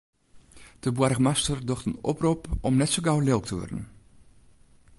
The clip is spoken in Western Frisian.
De boargemaster docht in oprop om net sa gau lilk te wurden.